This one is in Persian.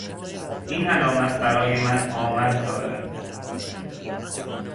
این علامت برای من آمد دارد.